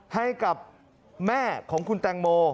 ให้กับแม่ของคุณแตงโม